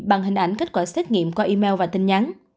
bằng hình ảnh kết quả xét nghiệm qua email và tin nhắn